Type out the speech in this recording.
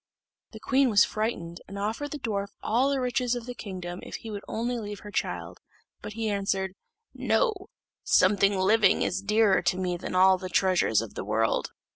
The queen was frightened, and offered the dwarf all the riches of the kingdom if he would only leave her her child; but he answered, "No; something living is dearer to me than all the treasures of the world."